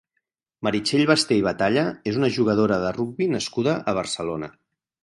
Meritxell Basté i Batalla és una jugadora de rugbi nascuda a Barcelona.